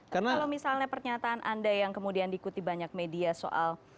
kalau misalnya pernyataan anda yang kemudian diikuti banyak media soal